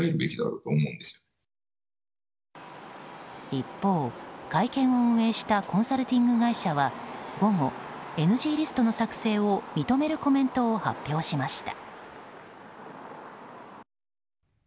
一方、会見を運営したコンサルティング会社は午後ＮＧリストの作成を認めるコメントを発表しました。